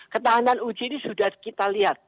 ketahanan uji ini sudah kita lihat